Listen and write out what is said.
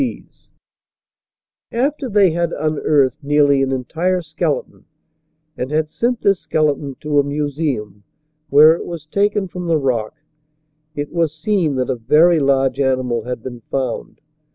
TITANOTHERES AND OTHERS 103 After they had unearthed nearly an entire skeleton, and had sent this skeleton to a museum, where it was taken from the rock, it was seen that a very large animal had been found.